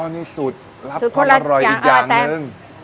นี่สูตรลับความอร่อยอีกอย่างหนึ่ง